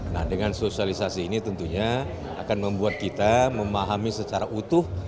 nah dengan sosialisasi ini tentunya akan membuat kita memahami secara utuh